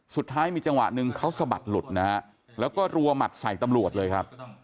สุดท้ายมีจังหวะหนึ่งเขาสะบัดหลุดนะฮะแล้วก็รัวหมัดใส่ตำรวจเลยครับ